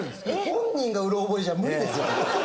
本人がうろ覚えじゃ無理ですよ。